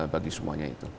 bagi semuanya itu